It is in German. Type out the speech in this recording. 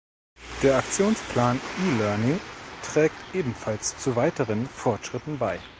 Der Aktionsplan e-Learning trägt ebenfalls zu weiteren Fortschritten bei.